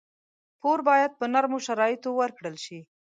پور باید په نرمو شرایطو ورکړل شي.